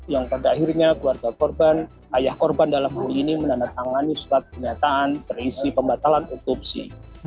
yang pada akhirnya keluarga korban ayah korban dalam hal ini menandatangani surat pernyataan berisi pembatalan otopsi